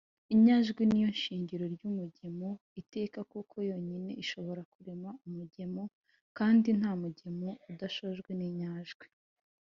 Inyajwi ni yo shingiro ry’umugemo iteka kuko yonyine ishobora kurema umugemo kandi nta mugemo udashojwe n’inyajwi.